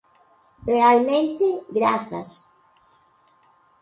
Realmente grazas.